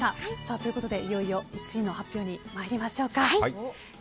ということで、いよいよ１位の発表に参りましょう。